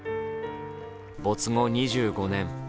没後２５年。